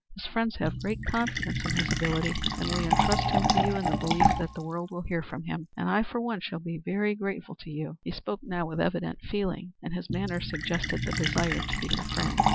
His friends have great confidence in his ability, and we intrust him to you in the belief that the world will hear from him and I, for one, shall be very grateful to you." He spoke now with evident feeling, and his manner suggested the desire to be her friend.